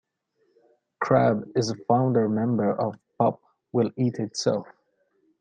Crabb is a founder member of Pop Will Eat Itself.